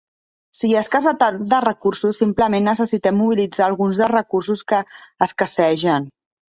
Si hi ha escassetat de recursos, simplement necessitem mobilitzar alguns dels recursos que escassegen.